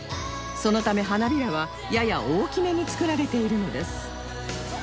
そのため花びらはやや大きめに作られているのです